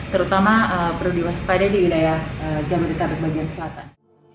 terutama perlu diwaspada di wilayah jabodetabek bagian selatan